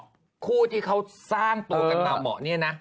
ภายใจครูที่เขาสร้างตัวเหมาะคือปะเนี่ยนะ